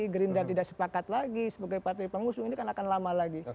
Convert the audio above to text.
gerindra tidak sepakat lagi sebagai partai pengusung ini akan lama lagi